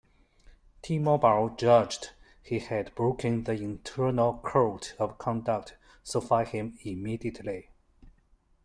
T-Mobile judged he had broken the internal code of conduct so fire him immediately.